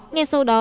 nghe sau đó